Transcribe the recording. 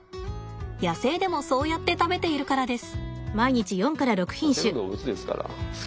野生でもそうやって食べているからです。